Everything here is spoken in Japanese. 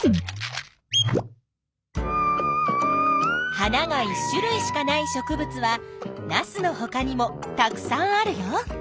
花が１種類しかない植物はナスのほかにもたくさんあるよ。